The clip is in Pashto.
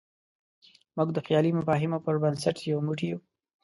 موږ د خیالي مفاهیمو په بنسټ یو موټی یو.